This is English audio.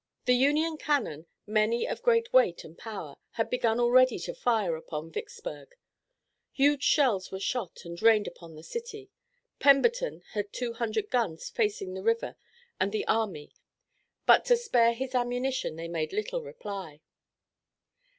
The Union cannon, many of great weight and power, had begun already to fire upon Vicksburg. Huge shells and shot were rained upon the city. Pemberton had two hundred guns facing the river and the army, but to spare his ammunition they made little reply.